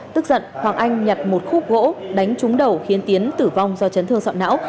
tức giận hoàng anh nhặt một khúc gỗ đánh trúng đầu khiến tiến tử vong do chấn thương sọn não